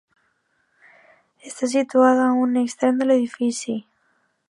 Està situada en un extrem de l'edifici.